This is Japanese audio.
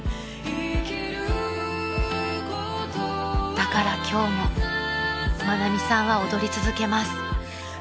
［だから今日も愛美さんは踊り続けます］